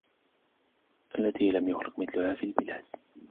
التي لم يخلق مثلها في البلاد